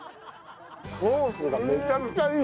ソースがめちゃくちゃいい！